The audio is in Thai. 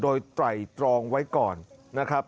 โดยไตรตรองไว้ก่อนนะครับ